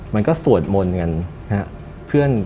มันก็สวดมงก์กัน